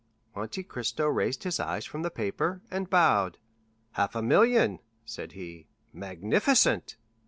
'" Monte Cristo raised his eyes from the paper, and bowed. "Half a million," said he, "magnificent!"